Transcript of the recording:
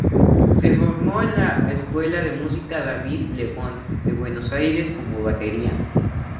Se formó en la escuela de música David Lebón de Buenos Aires como batería.